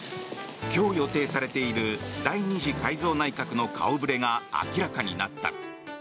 今日予定されている第２次改造内閣の顔触れが明らかになった。